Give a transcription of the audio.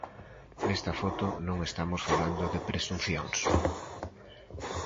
Nesta foto non estamos falando de presuncións.